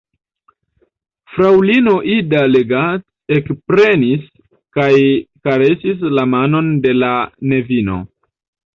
Fraŭlino Ida Leggat ekprenis kaj karesis la manon de la nevino.